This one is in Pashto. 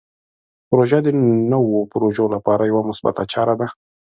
پروژه د نوو پروژو لپاره یوه مثبته چاره ده.